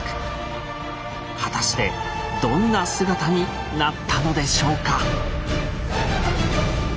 果たしてどんな姿になったのでしょうか？